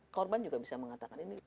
korban juga bisa mengatakan ini